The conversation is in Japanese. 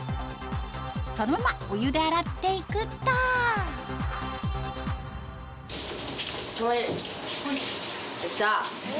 そのままお湯で洗っていくとできた！